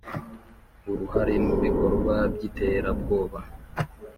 uruhare mu bikorwa by iterabwoba